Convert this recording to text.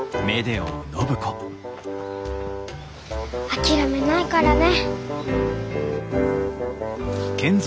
諦めないからね。